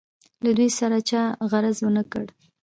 له دوی سره چا غرض ونه کړ.